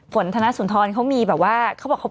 ฝนธนาศุนธรเขามีแบบว่า